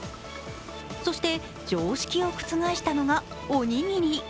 そして常識を覆したのがおにぎり。